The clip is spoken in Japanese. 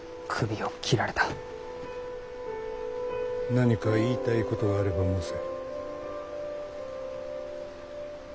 何か言いたいことがあれば申せ。